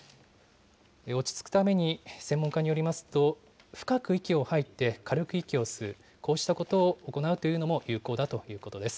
落ち着くために専門家によりますと、深く息を吐いて軽く息を吸う、こうしたことを行うというのも、有効だということです。